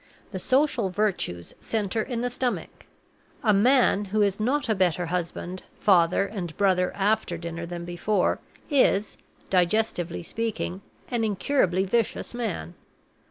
The social virtues center in the stomach. A man who is not a better husband, father, and brother after dinner than before is, digestively speaking, an incurably vicious man.